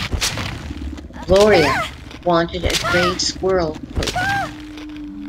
Gloria wanted a gray squirrel coat.